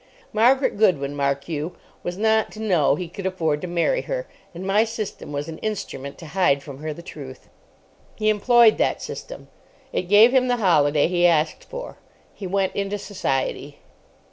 Margaret Goodwin, mark you, was not to know he could afford to marry her, and my system was an instrument to hide from her the truth. He employed that system. It gave him the holiday he asked for. He went into Society.